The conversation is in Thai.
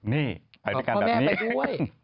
นี่ไปไปกันแบบนี้เป็นไปด้วย